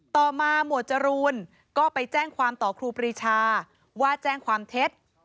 ต่อมาหมวดจรูนก็ไปแจ้งความต่อครูปรีชาว่าแจ้งความเท็จ